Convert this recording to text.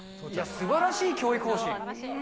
すばらしい教育方針。